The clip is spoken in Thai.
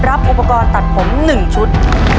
รับอุปกรณ์ตัดผม๑ชุด